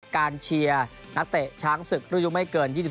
การเชียร์นักเตะช้าฮ้งศึกรุ้นยุงไม่เกิน